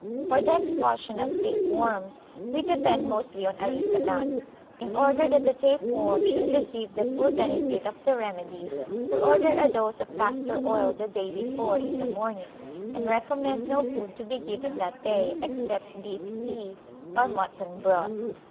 For the expulsion of tape worms we depend mostly on areca nut. In order that the tape worm should receive the full benefit of the remedy, we order a dose of castor oil the day before in the morning, and recommend no food to be given that day except beef tea or mutton broth.